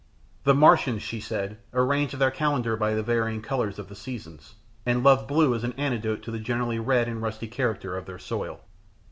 The Martians, she said, arranged their calendar by the varying colours of the seasons, and loved blue as an antidote to the generally red and rusty character of their soil.